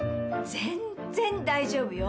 全然大丈夫よ！